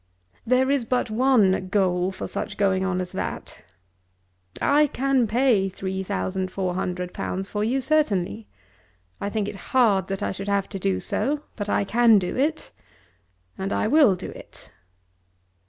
"There is but one goal for such going on as that. I can pay three thousand four hundred pounds for you certainly. I think it hard that I should have to do so; but I can do it, and I will do it."